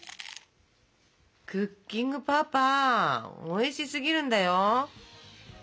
クッキングパパおいしすぎるんだよ。